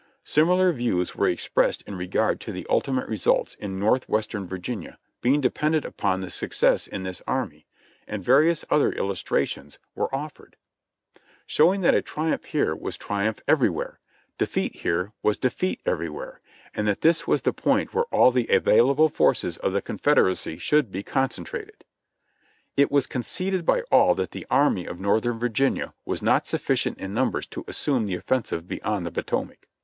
Similar views were expressed in regard to the ultimate results in northwestern Virginia being dependent upon the success in this army, and various other illustrations were offered, showing that a triumph here was triumph everywhere ; defeat here, was defeat everywhere, and that this was the point where all the available forces of the Confederacy should be con centrated. It was conceded by all that the Army of Northern Virginia was not sufficient in numbers to assume the offensive beyond the Potomac.